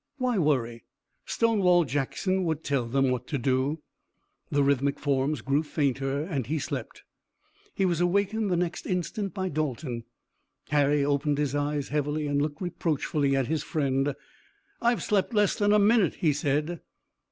Why worry? Stonewall Jackson would tell them what to do. The rhythmic forms grew fainter, and he slept. He was awakened the next instant by Dalton. Harry opened his eyes heavily and looked reproachfully at his friend. "I've slept less than a minute," he said.